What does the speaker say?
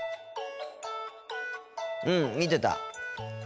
うん見てた。